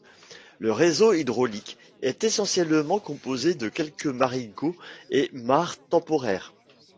Le réseau hydraulique est essentiellement composé de quelques marigots et mares temporaires.